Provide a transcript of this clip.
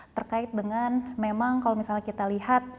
terkait dengan memang kalau misalnya kita lihat